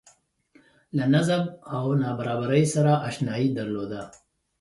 له نظم او نابرابرۍ سره اشنايي درلوده